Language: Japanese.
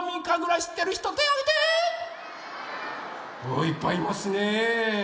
あいっぱいいますね！